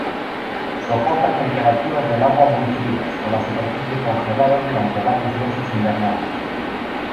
Soporta temperaturas del agua muy frías, con la superficie congelada durante varios meses invernales.